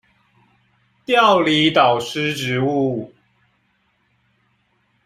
調離導師職務